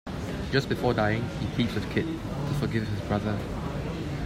Just before dying, he pleads with Kit to forgive his brother.